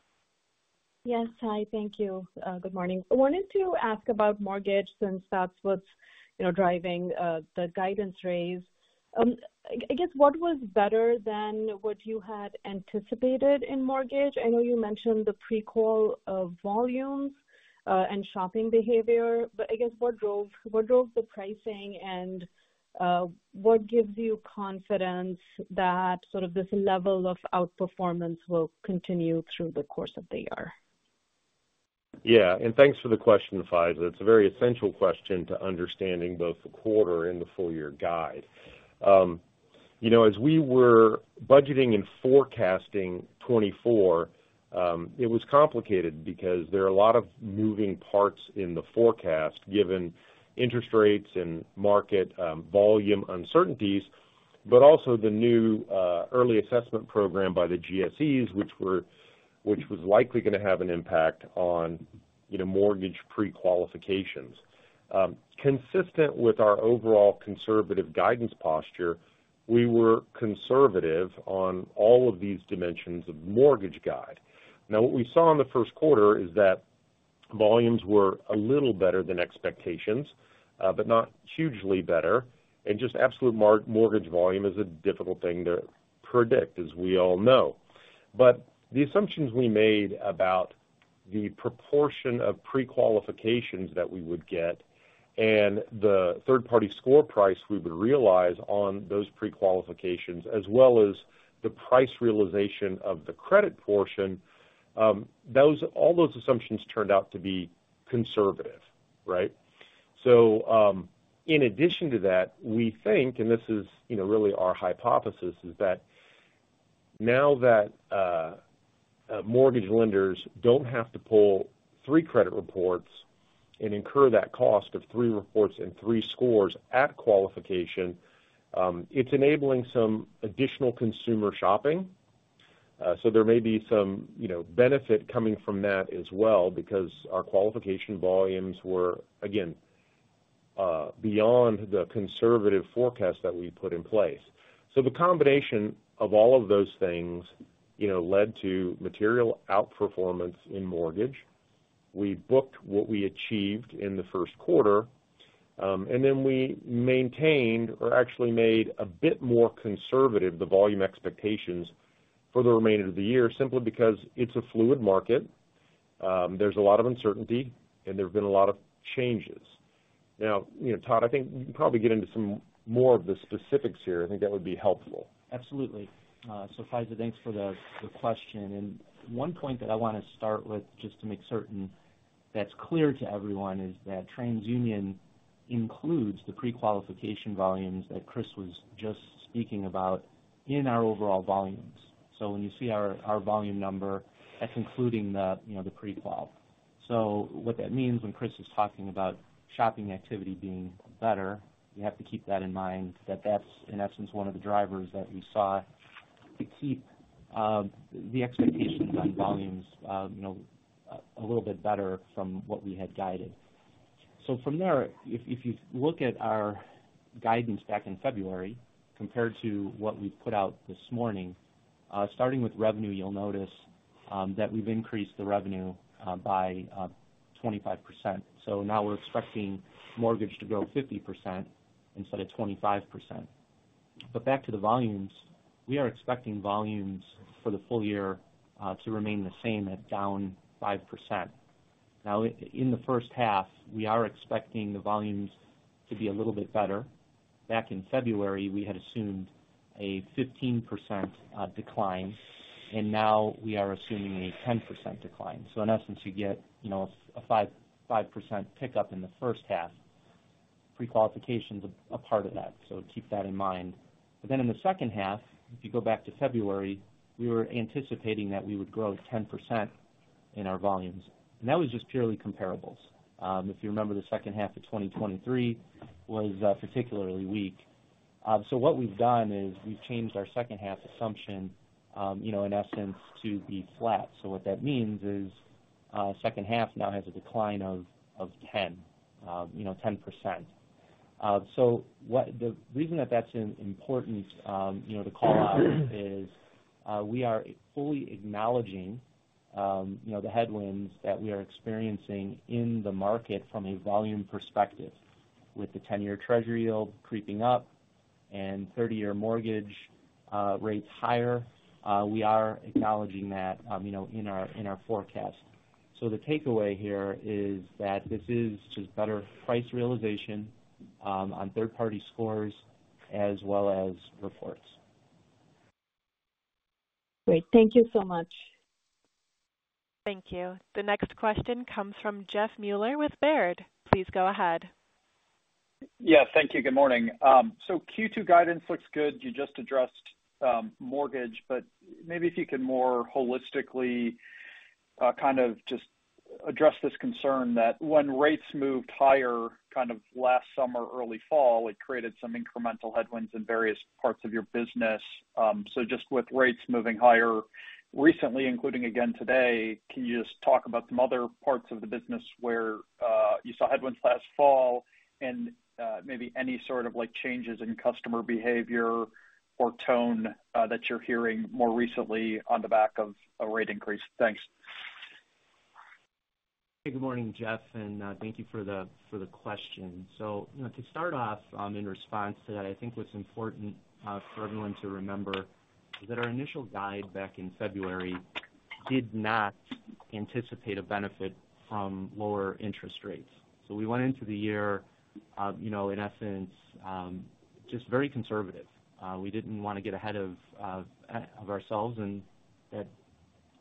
Yes. Hi, thank you. Good morning. I wanted to ask about mortgage since that's what's, you know, driving the guidance raise. I guess, what was better than what you had anticipated in mortgage? I know you mentioned the pre-qual volumes and shopping behavior, but I guess, what drove the pricing, and what gives you confidence that sort of this level of outperformance will continue through the course of the year? Yeah, and thanks for the question, Faiza. It's a very essential question to understanding both the quarter and the full year guide. You know, as we were budgeting and forecasting 2024, it was complicated because there are a lot of moving parts in the forecast, given interest rates and market volume uncertainties, but also the new early assessment program by the GSEs, which was likely gonna have an impact on, you know, mortgage pre-qualifications. Consistent with our overall conservative guidance posture, we were conservative on all of these dimensions of mortgage guide. Now, what we saw in the first quarter is that volumes were a little better than expectations, but not hugely better, and just absolute mortgage volume is a difficult thing to predict, as we all know. But the assumptions we made about the proportion of pre-qualifications that we would get and the third-party score price we would realize on those pre-qualifications, as well as the price realization of the credit portion, all those assumptions turned out to be conservative, right? So, in addition to that, we think, and this is, you know, really our hypothesis, is that now that mortgage lenders don't have to pull three credit reports and incur that cost of three reports and three scores at qualification, it's enabling some additional consumer shopping. So there may be some, you know, benefit coming from that as well, because our qualification volumes were, again, beyond the conservative forecast that we put in place. So the combination of all of those things, you know, led to material outperformance in mortgage. We booked what we achieved in the first quarter, and then we maintained or actually made a bit more conservative, the volume expectations for the remainder of the year, simply because it's a fluid market, there's a lot of uncertainty, and there have been a lot of changes. Now, you know, Todd, I think you can probably get into some more of the specifics here. I think that would be helpful. Absolutely. So Faiza, thanks for the question. One point that I want to start with, just to make certain that's clear to everyone is that TransUnion includes the prequalification volumes that Chris was just speaking about in our overall volumes. So when you see our volume number, that's including the, you know, the prequal. So what that means when Chris is talking about shopping activity being better, you have to keep that in mind that that's, in essence, one of the drivers that we saw to keep the expectations on volumes, you know, a little bit better from what we had guided. So from there, if you look at our guidance back in February compared to what we put out this morning, starting with revenue, you'll notice that we've increased the revenue by 25%. So now we're expecting mortgage to grow 50% instead of 25%. But back to the volumes, we are expecting volumes for the full year to remain the same at down 5%. Now, in the first half, we are expecting the volumes to be a little bit better. Back in February, we had assumed a 15% decline, and now we are assuming a 10% decline. So in essence, you get, you know, a 5, 5% pickup in the first half. Pre-qualification's a part of that, so keep that in mind. But then in the second half, if you go back to February, we were anticipating that we would grow 10% in our volumes, and that was just purely comparables. If you remember, the second half of 2023 was particularly weak. So what we've done is we've changed our second-half assumption, you know, in essence, to be flat. So what that means is, second half now has a decline of 10%. So the reason that that's important, you know, to call out is, we are fully acknowledging, you know, the headwinds that we are experiencing in the market from a volume perspective. With the 10-year Treasury yield creeping up and 30-year mortgage rates higher, we are acknowledging that, you know, in our forecast. So the takeaway here is that this is just better price realization on third-party scores as well as reports. Great. Thank you so much. Thank you. The next question comes from Jeff Meuler with Baird. Please go ahead. Yeah, thank you. Good morning. So Q2 guidance looks good. You just addressed, mortgage, but maybe if you could more holistically, kind of just address this concern that when rates moved higher, kind of last summer, early fall, it created some incremental headwinds in various parts of your business. So just with rates moving higher recently, including again today, can you just talk about some other parts of the business where, you saw headwinds last fall and, maybe any sort of, like, changes in customer behavior or tone, that you're hearing more recently on the back of a rate increase? Thanks. Good morning, Jeff, and thank you for the question. So, you know, to start off, in response to that, I think what's important for everyone to remember is that our initial guide back in February did not anticipate a benefit from lower interest rates. So we went into the year, you know, in essence, just very conservative. We didn't want to get ahead of ourselves, and that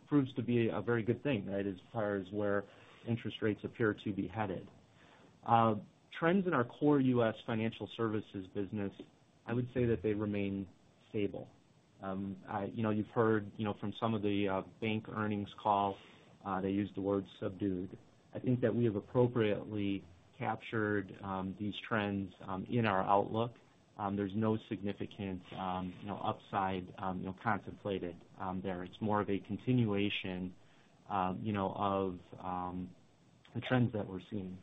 proves to be a very good thing, right, as far as where interest rates appear to be headed. Trends in our core U.S. financial services business, I would say that they remain stable. You know, you've heard, you know, from some of the bank earnings call, they use the word subdued. I think that we have appropriately captured these trends in our outlook. There's no significant, you know, upside, you know, contemplated there. It's more of a continuation, you know, of the trends that we're seeing.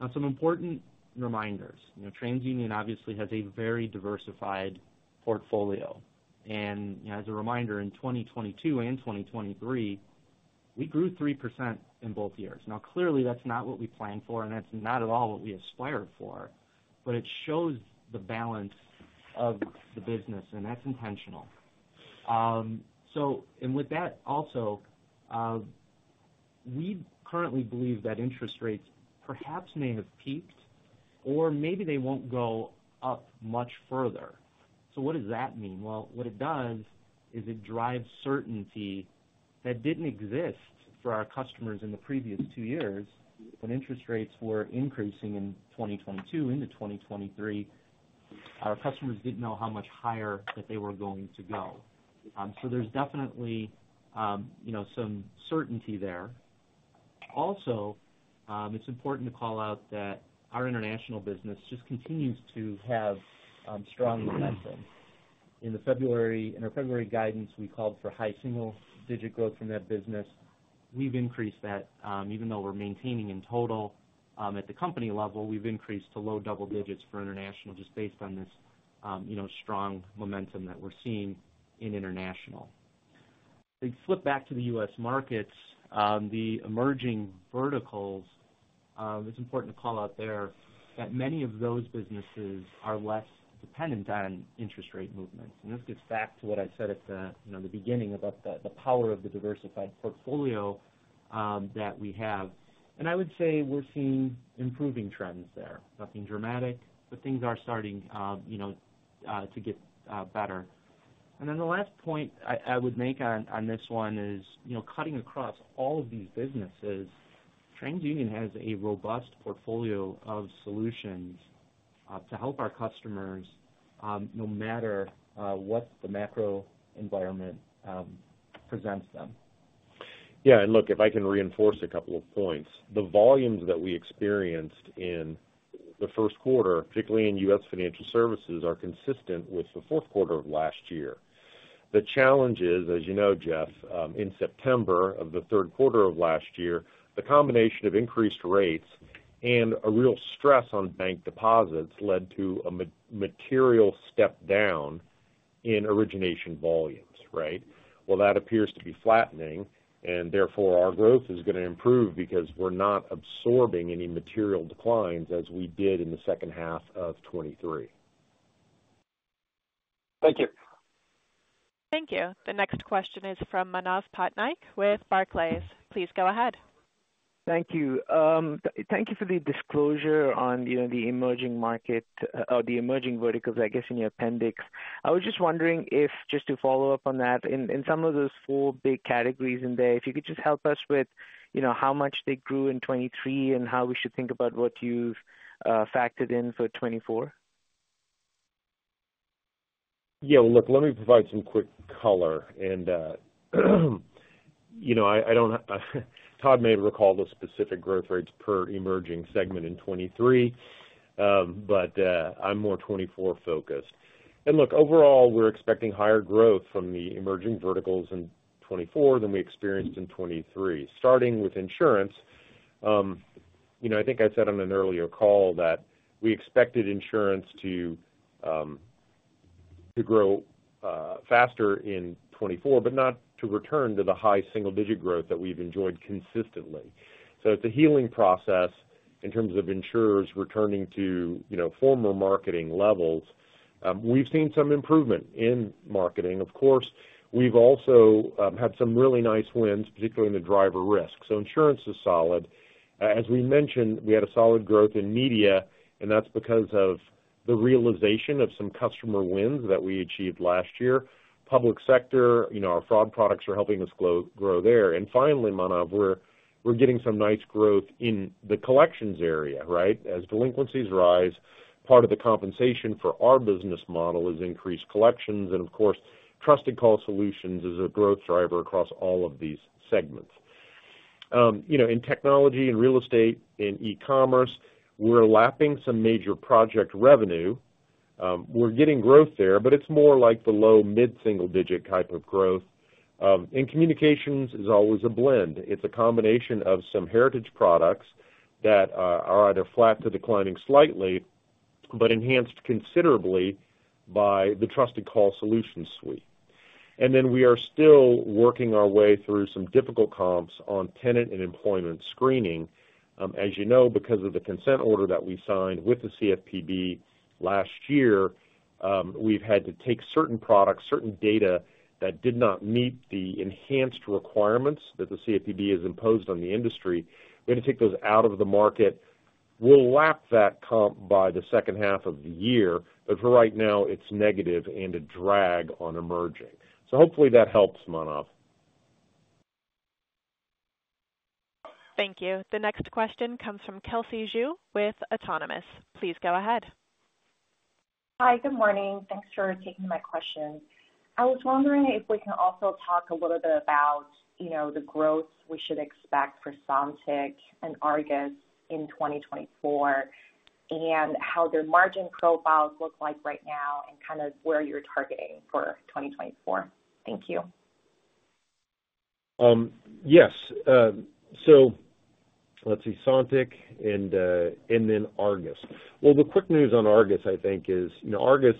Now, some important reminders. You know, TransUnion obviously has a very diversified portfolio. And, you know, as a reminder, in 2022 and in 2023, we grew 3% in both years. Now, clearly, that's not what we planned for, and that's not at all what we aspired for, but it shows the balance of the business, and that's intentional. So and with that, also, we currently believe that interest rates perhaps may have peaked or maybe they won't go up much further. So what does that mean? Well, what it does is it drives certainty that didn't exist for our customers in the previous two years. When interest rates were increasing in 2022 into 2023, our customers didn't know how much higher that they were going to go. So there's definitely, you know, some certainty there. Also, it's important to call out that our international business just continues to have strong momentum. In our February guidance, we called for high single-digit growth from that business. We've increased that, even though we're maintaining in total, at the company level, we've increased to low double digits for international just based on this, you know, strong momentum that we're seeing in international. If we flip back to the U.S. markets, the emerging verticals, it's important to call out there that many of those businesses are less dependent on interest rate movements. And this gets back to what I said at the, you know, the beginning about the power of the diversified portfolio that we have. And I would say we're seeing improving trends there. Nothing dramatic, but things are starting, you know, to get better. And then the last point I would make on this one is, you know, cutting across all of these businesses, TransUnion has a robust portfolio of solutions to help our customers no matter what the macro environment presents them. Yeah, and look, if I can reinforce a couple of points. The volumes that we experienced in the first quarter, particularly in U.S. financial services, are consistent with the fourth quarter of last year. The challenge is, as you know, Jeff, in September of the third quarter of last year, the combination of increased rates and a real stress on bank deposits led to a material step down in origination volumes, right? Well, that appears to be flattening, and therefore, our growth is going to improve because we're not absorbing any material declines as we did in the second half of 2023. Thank you. Thank you. The next question is from Manav Patnaik with Barclays. Please go ahead. Thank you. Thank you for the disclosure on, you know, the emerging market or the emerging verticals, I guess, in your appendix. I was just wondering if, just to follow up on that, in some of those four big categories in there, if you could just help us with, you know, how much they grew in 2023 and how we should think about what you've factored in for 2024? Yeah, well, look, let me provide some quick color. And, you know, I don't. Todd may recall the specific growth rates per emerging segment in 2023, but I'm more 2024 focused. And look, overall, we're expecting higher growth from the emerging verticals in 2024 than we experienced in 2023. Starting with insurance, you know, I think I said on an earlier call that we expected insurance to grow faster in 2024, but not to return to the high single-digit growth that we've enjoyed consistently. So it's a healing process in terms of insurers returning to, you know, former marketing levels. We've seen some improvement in marketing. Of course, we've also had some really nice wins, particularly in the DriverRisk. So insurance is solid. As we mentioned, we had a solid growth in media, and that's because of the realization of some customer wins that we achieved last year. Public sector, you know, our fraud products are helping us grow there. And finally, Manav, we're getting some nice growth in the collections area, right? As delinquencies rise, part of the compensation for our business model is increased collections, and of course, Trusted Call Solutions is a growth driver across all of these segments. You know, in technology, in real estate, in e-commerce, we're lapping some major project revenue. We're getting growth there, but it's more like the low mid-single digit type of growth. And communications is always a blend. It's a combination of some heritage products that are either flat to declining slightly, but enhanced considerably by the Trusted Call Solutions suite. Then we are still working our way through some difficult comps on tenant and employment screening. As you know, because of the consent order that we signed with the CFPB last year, we've had to take certain products, certain data that did not meet the enhanced requirements that the CFPB has imposed on the industry, we had to take those out of the market. We'll lap that comp by the second half of the year, but for right now, it's negative and a drag on emerging. Hopefully that helps, Manav. Thank you. The next question comes from Kelsey Zhu with Autonomous. Please go ahead. Hi, good morning. Thanks for taking my question. I was wondering if we can also talk a little bit about, you know, the growth we should expect for Sontiq and Argus in 2024, and how their margin profiles look like right now and kind of where you're targeting for 2024. Thank you. Yes. So let's see, Sontiq and, and then Argus. Well, the quick news on Argus, I think, is, you know, Argus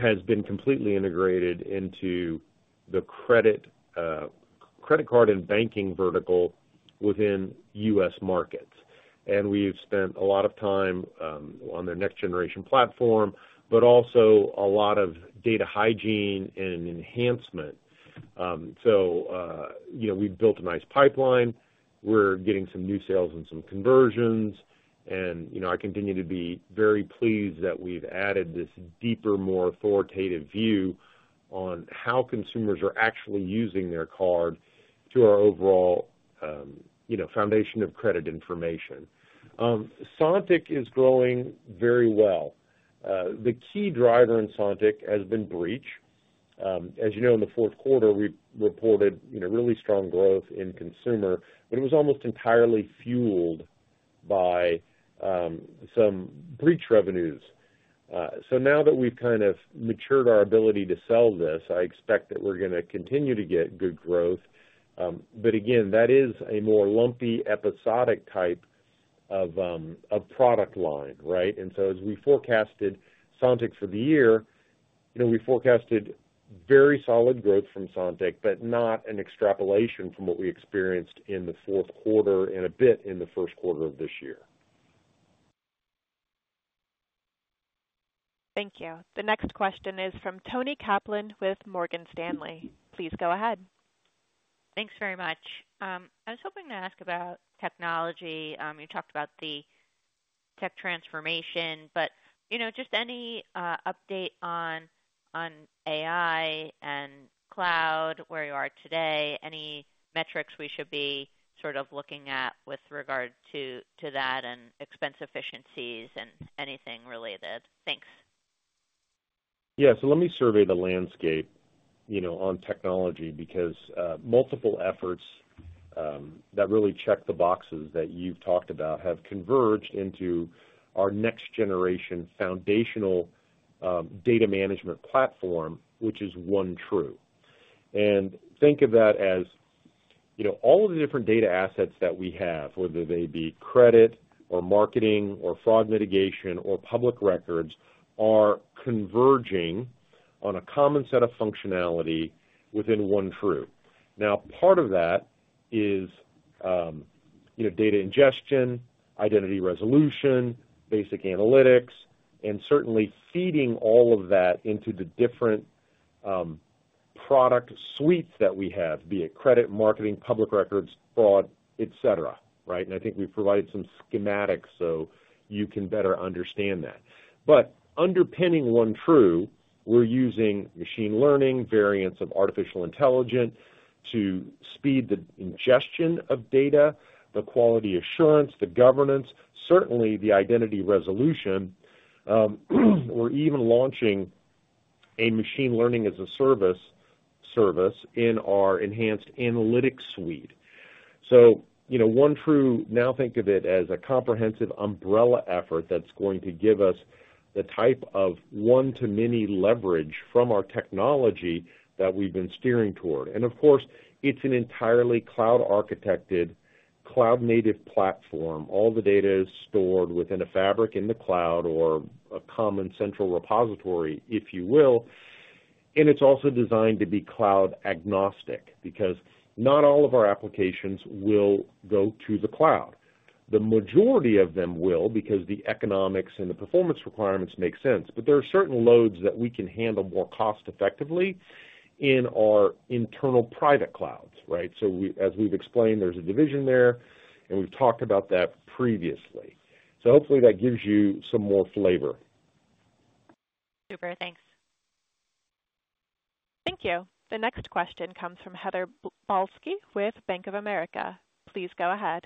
has been completely integrated into the credit, credit card and banking vertical within U.S. markets. And we've spent a lot of time, on their next generation platform, but also a lot of data hygiene and enhancement. So, you know, we've built a nice pipeline. We're getting some new sales and some conversions. And, you know, I continue to be very pleased that we've added this deeper, more authoritative view on how consumers are actually using their card to our overall, you know, foundation of credit information. Sontiq is growing very well. The key driver in Sontiq has been bbreach. As you know, in the fourth quarter, we reported, you know, really strong growth in consumer, but it was almost entirely fueled by some breach revenues. So now that we've kind of matured our ability to sell this, I expect that we're going to continue to get good growth. But again, that is a more lumpy, episodic type of product line, right? And so as we forecasted Sontiq for the year, you know, we forecasted very solid growth from Sontiq, but not an extrapolation from what we experienced in the fourth quarter and a bit in the first quarter of this year. Thank you. The next question is from Toni Kaplan with Morgan Stanley. Please go ahead.... Thanks very much. I was hoping to ask about technology. You talked about the tech transformation, but, you know, just any update on AI and cloud, where you are today, any metrics we should be sort of looking at with regard to that and expense efficiencies and anything related? Thanks. Yeah. So let me survey the landscape, you know, on technology, because multiple efforts that really check the boxes that you've talked about have converged into our next generation foundational data management platform, which is OneTru. And think of that as, you know, all of the different data assets that we have, whether they be credit or marketing or fraud mitigation or public records, are converging on a common set of functionality within OneTru. Now, part of that is, you know, data ingestion, identity resolution, basic analytics, and certainly feeding all of that into the different product suites that we have, be it credit, marketing, public records, fraud, et cetera, right? And I think we've provided some schematics so you can better understand that. But underpinning OneTru, we're using machine learning, variants of artificial intelligence, to speed the ingestion of data, the quality assurance, the governance, certainly the identity resolution, or even launching a machine learning as a service service in our enhanced analytics suite. So, you know, OneTru, now think of it as a comprehensive umbrella effort that's going to give us the type of one-to-many leverage from our technology that we've been steering toward. And of course, it's an entirely cloud-architected, cloud-native platform. All the data is stored within a fabric in the cloud or a common central repository, if you will. And it's also designed to be cloud agnostic, because not all of our applications will go to the cloud. The majority of them will, because the economics and the performance requirements make sense, but there are certain loads that we can handle more cost effectively in our internal private clouds, right? So we, as we've explained, there's a division there, and we've talked about that previously. So hopefully that gives you some more flavor. Super. Thanks. Thank you. The next question comes from Heather Balsky with Bank of America. Please go ahead.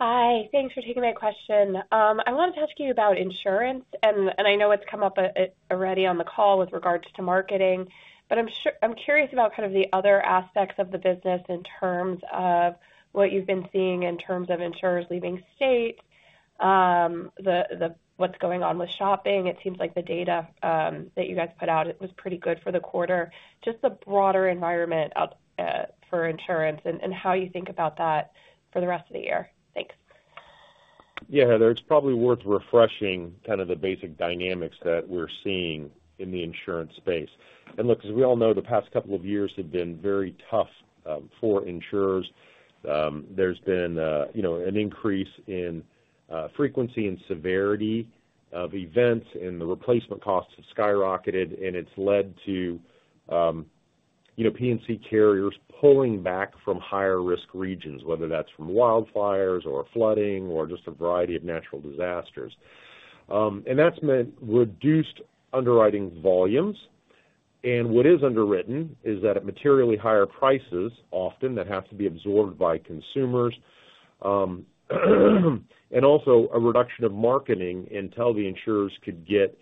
Hi, thanks for taking my question. I wanted to ask you about insurance, and I know it's come up already on the call with regards to marketing, but I'm curious about kind of the other aspects of the business in terms of what you've been seeing in terms of insurers leaving state, the, what's going on with shopping. It seems like the data that you guys put out, it was pretty good for the quarter. Just the broader environment for insurance and how you think about that for the rest of the year. Thanks. Yeah, Heather, it's probably worth refreshing kind of the basic dynamics that we're seeing in the insurance space. And look, as we all know, the past couple of years have been very tough for insurers. There's been, you know, an increase in frequency and severity of events, and the replacement costs have skyrocketed, and it's led to, you know, P&C carriers pulling back from higher risk regions, whether that's from wildfires or flooding or just a variety of natural disasters. And that's meant reduced underwriting volumes. And what is underwritten is that at materially higher prices, often that have to be absorbed by consumers, and also a reduction of marketing until the insurers could get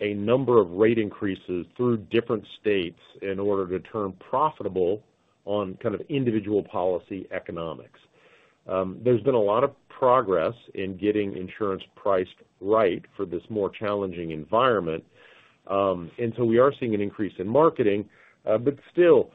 a number of rate increases through different states in order to turn profitable on kind of individual policy economics. There's been a lot of progress in getting insurance priced right for this more challenging environment. And so we are seeing an increase in marketing, but still,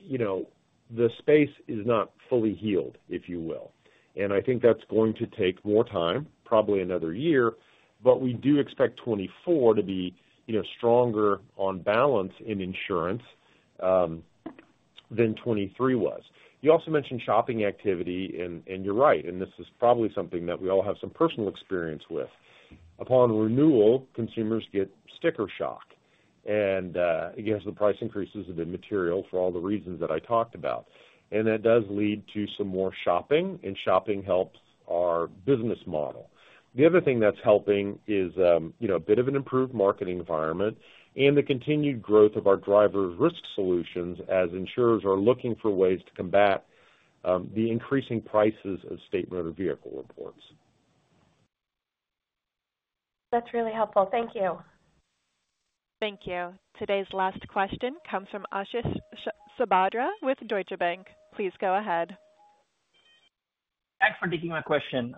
you know, the space is not fully healed, if you will. And I think that's going to take more time, probably another year, but we do expect 2024 to be, you know, stronger on balance in insurance, than 2023 was. You also mentioned shopping activity, and you're right, and this is probably something that we all have some personal experience with. Upon renewal, consumers get sticker shock, and, again, the price increases have been material for all the reasons that I talked about, and that does lead to some more shopping, and shopping helps our business model. The other thing that's helping is, you know, a bit of an improved marketing environment and the continued growth of our DriverRisk solutions as insurers are looking for ways to combat the increasing prices of state motor vehicle reports. That's really helpful. Thank you. Thank you. Today's last question comes from Ashish Sabadra with RBC Capital Markets. Please go ahead. Thanks for taking my question.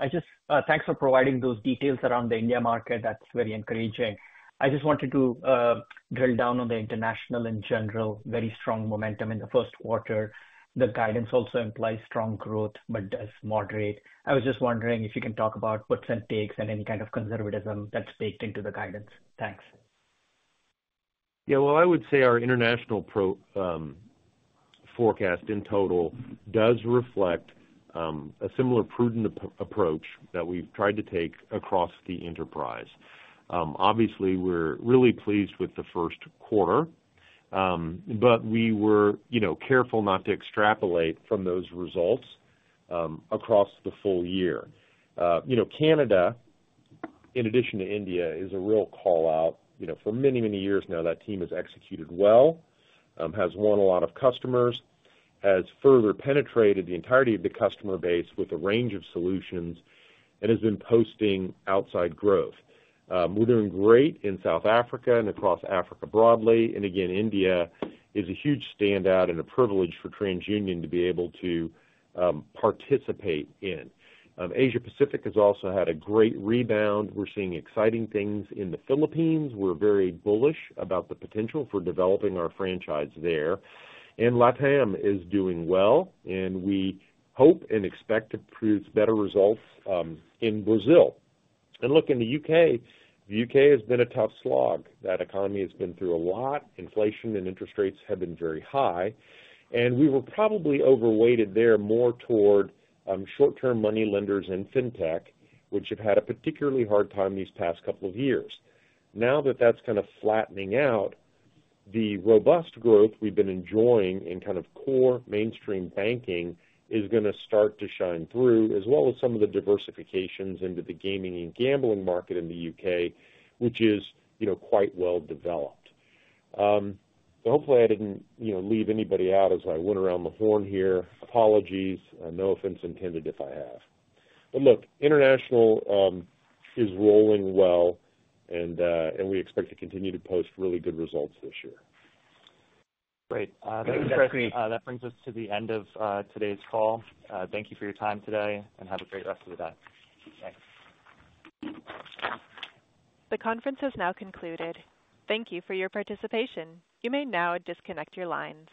Thanks for providing those details around the India market. That's very encouraging. I just wanted to drill down on the international in general. Very strong momentum in the first quarter. The guidance also implies strong growth, but as moderate. I was just wondering if you can talk about puts and takes and any kind of conservatism that's baked into the guidance. Thanks. Yeah, well, I would say our international forecast in total does reflect a similar prudent approach that we've tried to take across the enterprise. Obviously, we're really pleased with the first quarter, but we were, you know, careful not to extrapolate from those results across the full year. You know, Canada, in addition to India, is a real call-out. You know, for many, many years now, that team has executed well, has won a lot of customers, has further penetrated the entirety of the customer base with a range of solutions, and has been posting outsized growth. We're doing great in South Africa and across Africa broadly, and again, India is a huge standout and a privilege for TransUnion to be able to participate in. Asia Pacific has also had a great rebound. We're seeing exciting things in the Philippines. We're very bullish about the potential for developing our franchise there. And LATAM is doing well, and we hope and expect to produce better results in Brazil. And look, in the U.K., the U.K. has been a tough slog. That economy has been through a lot. Inflation and interest rates have been very high, and we were probably overweighted there more toward short-term money lenders and fintech, which have had a particularly hard time these past couple of years. Now that that's kind of flattening out, the robust growth we've been enjoying in kind of core mainstream banking is gonna start to shine through, as well as some of the diversifications into the gaming and gambling market in the U.K., which is, you know, quite well developed. So hopefully I didn't, you know, leave anybody out as I went around the horn here. Apologies, and no offense intended if I have. But look, international, is rolling well, and we expect to continue to post really good results this year. Great. That brings us to the end of today's call. Thank you for your time today, and have a great rest of the day. Thanks. The conference has now concluded. Thank you for your participation. You may now disconnect your lines.